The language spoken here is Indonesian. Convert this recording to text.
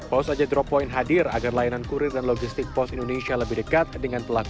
paus aja drop point hadir agar layanan kurir dan logistik pos indonesia lebih dekat dengan pelaku